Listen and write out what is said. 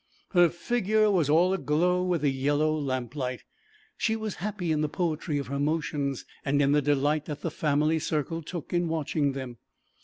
Her figure was all aglow with the yellow lamplight; she was happy in the poetry of her motions and in the delight that the family circle took in watching them.